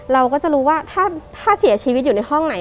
เราก็จะรู้ว่าถ้าเสียชีวิตอยู่ในห้องไหน